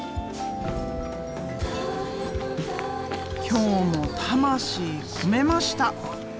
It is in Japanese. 今日も魂込めました。